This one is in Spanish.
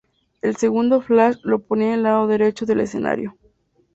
El segundo flash lo ponía en el lado derecho del escenario.